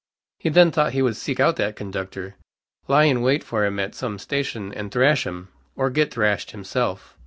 He then thought he would seek out that conductor, lie in wait for him at some station, and thrash him, or get thrashed himself.